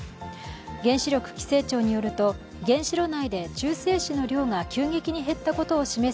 原子力規制庁によると原子炉内で中性子の量が急激に減ったことを示す